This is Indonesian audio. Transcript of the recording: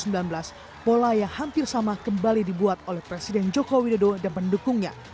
menjelang lagapil pres dua ribu sembilan belas pola yang hampir sama kembali dibuat oleh presiden jokowi dodo dan pendukungnya